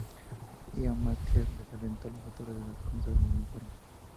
Ian Macleod desalentó a los autores de dar a conocer el informe.